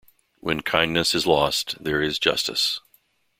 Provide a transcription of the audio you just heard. When kindness is lost, there is justice.